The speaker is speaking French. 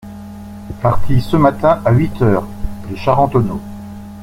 Parti ce matin à huit heures de Charentonneau…